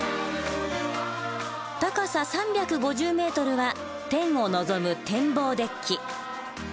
高さ３５０ｍは天を望む「天望デッキ」。